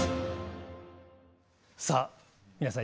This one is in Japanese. さあ皆さん